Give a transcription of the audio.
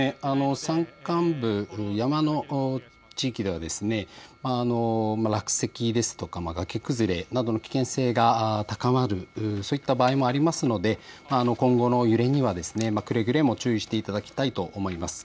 山間部、山の地域では落石ですとか崖崩れなどの危険性が高まる、そういった場合もありますので今後の揺れにはくれぐれも注意をしていただきたいと思います。